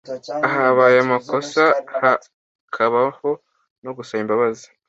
ahabaye amakosa hakabaho no gusaba imbabazi